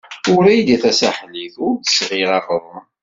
Wrida Tasaḥlit ur d-tesɣi aɣrum.